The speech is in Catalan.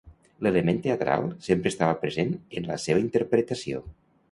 L'element teatral sempre estava present en la seva interpretació.